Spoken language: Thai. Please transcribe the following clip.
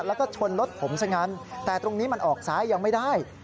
แล้วก็ชนรถผมซะงั้นแต่ตรงนี้มันออกซ้ายยังไม่ได้